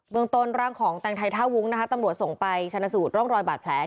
เมืองต้นร่างของแตงไทยท่าวุ้งนะคะตำรวจส่งไปชนะสูตรร่องรอยบาดแผล